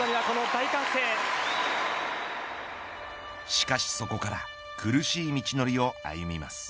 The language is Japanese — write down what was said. しかしそこから苦しい道のりを歩みます。